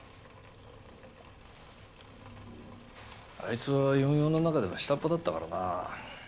あいつは４４の中でも下っ端だったからな。